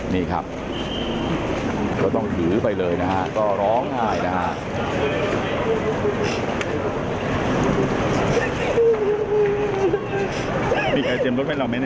นี่ครับก็ต้องถือไปเลยนะครับก็ร้องไหลนะครับ